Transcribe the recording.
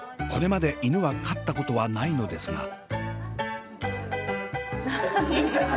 これまで犬は飼ったことはないのですが。